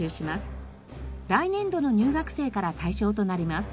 来年度の入学生から対象となります。